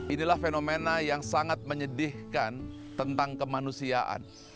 inilah fenomena yang sangat menyedihkan tentang kemanusiaan